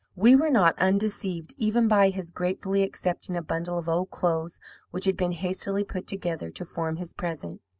We were not undeceived even by his gratefully accepting a bundle of old clothes which had been hastily put together to form his present.